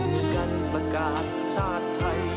ลงกันประกาศชาติไทย